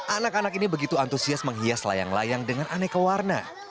anak anak ini begitu antusias menghias layang layang dengan aneka warna